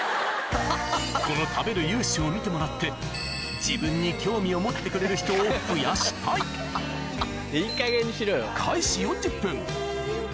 この食べる勇姿を見てもらって自分に興味を持ってくれる人を増やしたいいいかげんにしろよ。